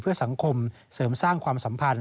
เพื่อสังคมเสริมสร้างความสัมพันธ